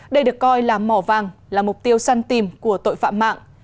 đây được coi là mỏ vàng là mục tiêu săn tìm của tội phạm mạng